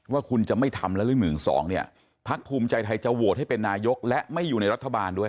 ว่าคุณจะไม่ทำแล้วหรือ๑๒เนี่ยพักภูมิใจไทยจะโหวตให้เป็นนายกและไม่อยู่ในรัฐบาลด้วย